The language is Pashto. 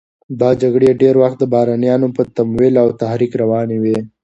دا جګړې ډېری وخت د بهرنیانو په تمویل او تحریک روانې وې.